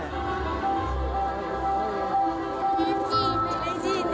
うれしいね。